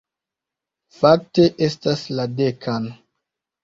Fakte, estas la dekan...